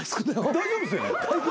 大丈夫っすよね？